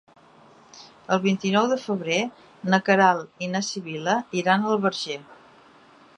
El vint-i-nou de febrer na Queralt i na Sibil·la iran al Verger.